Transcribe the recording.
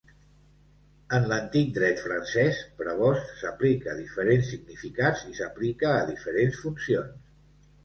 En l'antic dret francès, prebost s'aplica diferents significats i s'aplica a diferents funcions.